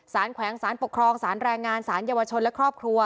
แขวงสารปกครองสารแรงงานสารเยาวชนและครอบครัว